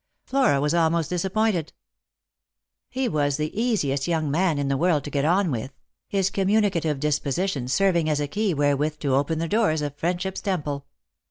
Flora was almost disappointed. He was the easiest young man in the world to get on with, his communicative disposition serving as a key wherewith to open the doors of friendship's temple.